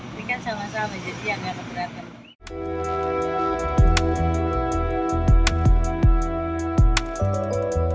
ini kan sama sama jadi yang enggak keberatan